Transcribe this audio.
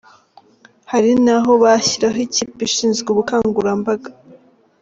Hari n’aho bashyiraho ikipe ishinzwe ubukangurambaga.